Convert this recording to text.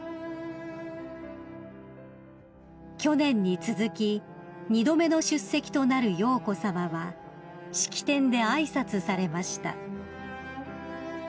［去年に続き二度目の出席となる瑶子さまは式典で挨拶されました］